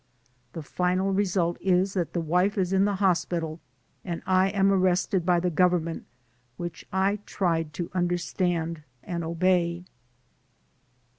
The final result is that the wife is in the hospital and I am arrested by the government which I tried to understand and obey."